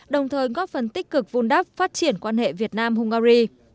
đồng thời góp phần tích cực vun đắp phát triển quan hệ việt nam hungary